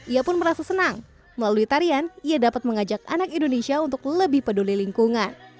ia pun merasa senang melalui tarian ia dapat mengajak anak indonesia untuk lebih peduli lingkungan